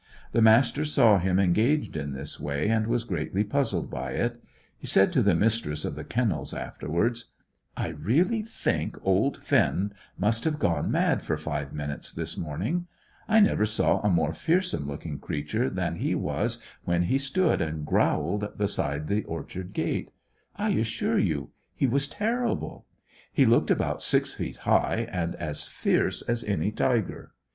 The Master saw him engaged in this way, and was greatly puzzled by it. He said to the Mistress of the Kennels afterwards "I really think old Finn must have gone mad for five minutes this morning. I never saw a more fearsome looking creature than he was when he stood and growled beside the orchard gate. I assure you he was terrible. He looked about six feet high, and as fierce as any tiger.